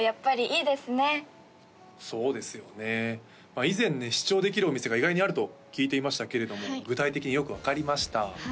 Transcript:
まあ以前ね試聴できるお店が意外にあると聞いていましたけれども具体的によく分かりましたｅ☆